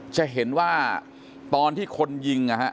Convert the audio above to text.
จะเห็นว่าตอนที่คนยิงนะฮะ